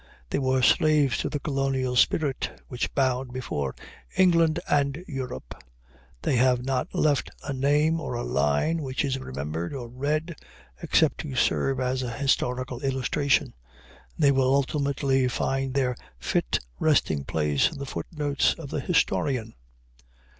They were slaves to the colonial spirit, which bowed before England and Europe. They have not left a name or a line which is remembered or read, except to serve as a historical illustration, and they will ultimately find their fit resting place in the foot notes of the historian.